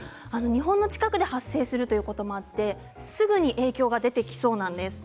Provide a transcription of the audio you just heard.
日本の近くで発生するということもあってすぐに影響が出てきそうなんです。